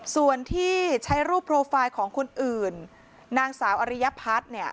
ส่วนที่ใช้รูปโปรไฟล์ของคนอื่นนางสาวอริยพัฒน์เนี่ย